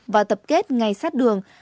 và tập kết ngay sát đường